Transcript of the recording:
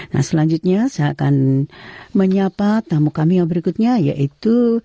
nah selanjutnya saya akan menyapa tamu kami yang berikutnya yaitu